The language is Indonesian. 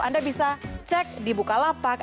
anda bisa cek di bukalapak